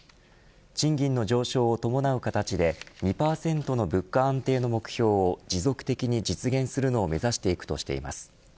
賃金の上昇を伴う形で２％の物価安定の目標を持続的に実現するのを目指していくとしています。